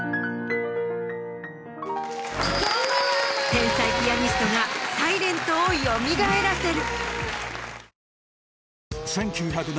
天才ピアニストが『ｓｉｌｅｎｔ』をよみがえらせる。